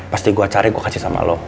pasti gue cari gue kasih sama lo